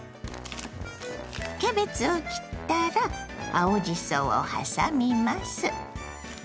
キャベツを切ったら青じそをはさみます。